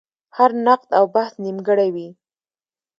هر نقد او بحث نیمګړی وي.